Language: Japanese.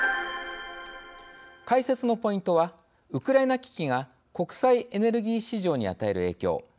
解説のポイントはウクライナ危機が国際エネルギー市場に与える影響。